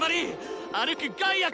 歩く害悪！